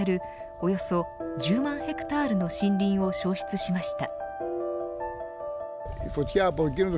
およそ１０万ヘクタールの森林を焼失しました。